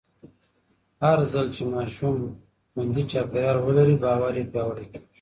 هرځل چې ماشومان خوندي چاپېریال ولري، باور یې پیاوړی کېږي.